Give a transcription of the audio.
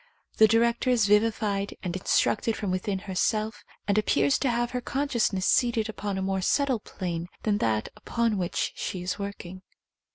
The director is vivified and instructed from within herself, and appears to have her consciousness seated upon a more subtle plane th^n that upon which she is working.